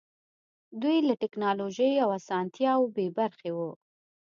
دوی له ټکنالوژۍ او اسانتیاوو بې برخې وو.